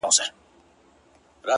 گوره رسوا به سو وړې خلگ خبري كوي.!